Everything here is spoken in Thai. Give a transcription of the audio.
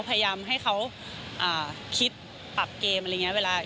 พยายามให้เขาฯคิดปรับเกมอะไรไงเวลา